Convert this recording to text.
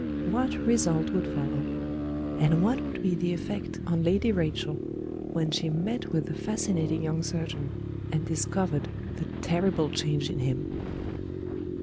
What result would follow? And what would be the effect on Lady Rachel, when she met with the fascinating young surgeon, and discovered the terrible change in him?